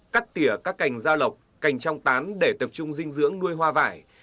cắt tỉa các cành ra lọc cành trong tán để tập trung dinh dưỡng nuôi hoa vải